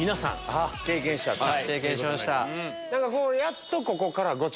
経験しました。